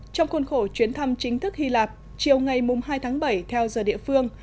trong khuôn khổ chuyến thăm chính thức hy lạp chiều ngày hai tháng bảy theo giờ địa phương